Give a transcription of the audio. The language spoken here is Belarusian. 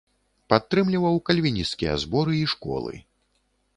Падтрымліваў кальвінісцкія зборы і школы.